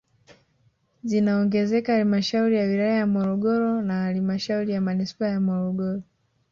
Zinaongezeka halmashauri ya wilaya ya Morogoro na halmashauri ya manispaa ya Morogoro